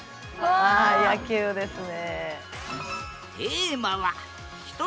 あ野球ですね。